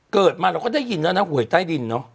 เกิดมาเราก็ได้ยินแล้วนะหวยใต้ดินเนาะ